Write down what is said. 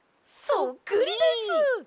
そっくりです！